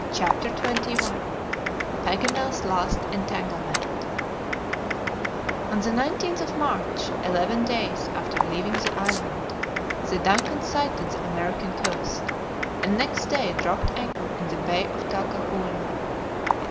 CHAPTER XXI PAGANEL'S LAST ENTANGLEMENT ON the 19th of March, eleven days after leaving the island, the DUNCAN sighted the American coast, and next day dropped anchor in the bay of Talcahuano.